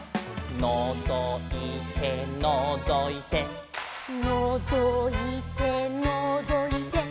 「のぞいてのぞいて」「のぞいてのぞいて」